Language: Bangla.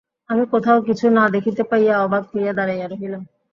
আমি কোথাও কিছু না দেখিতে পাইয়া অবাক হইয়া দাঁড়াইয়া রহিলাম।